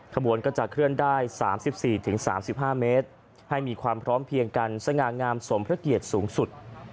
ขบวนก็จะเคลื่อนได้๓๔๓๕เมตรให้มีความพร้อมเพียงกันสง่างามสมพระเกียรติสูงสุด